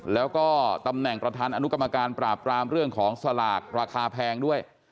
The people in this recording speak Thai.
แล้วก็ตำแหน่งประธานอนุกรรมการปราบปรามเรื่องของสลากราคาแพงด้วย